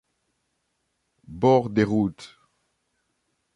Bord des routes.